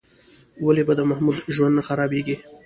ولې به د محمود ژوند نه خرابېږي؟